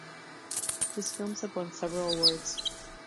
His films have won several awards.